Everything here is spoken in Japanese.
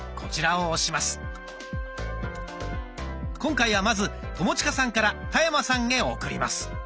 今回はまず友近さんから田山さんへ送ります。